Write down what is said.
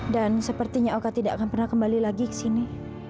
dan sepertinya oka tidak akan pernah kembali lagi ke sini